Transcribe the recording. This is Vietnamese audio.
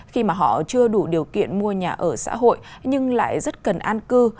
khi mà họ chưa đủ điều kiện mua nhà ở xã hội nhưng lại rất cần an cư